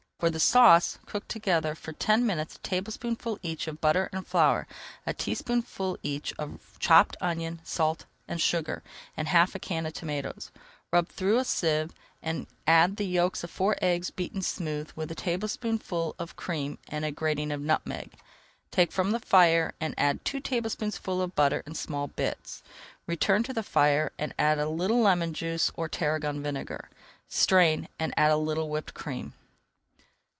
For the sauce, cook together for ten minutes a tablespoonful each of butter and flour, a teaspoonful each of chopped onion, salt, and sugar, and half a can of tomatoes. Rub through a sieve, and add the yolks of four eggs beaten smooth with a tablespoonful of cream and a grating of nutmeg. Take from the fire and add two tablespoonfuls of butter in small bits. Return to the fire, and add a little lemon juice or tarragon vinegar. Strain, and add a little whipped cream.